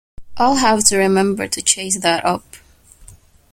I’ll have to remember to chase that up.